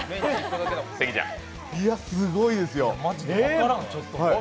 すごいですよ。